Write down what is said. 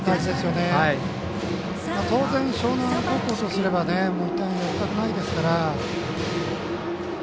当然、樟南高校とすればもう１点やりたくないですから。